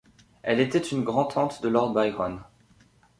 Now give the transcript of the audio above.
Elle était une grand-tante de Lord Byron.